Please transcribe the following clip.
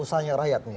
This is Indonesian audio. usahanya rakyat nih